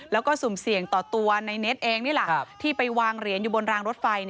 แล้วก็สุ่มเสี่ยงต่อตัวในเน็ตเองนี่แหละ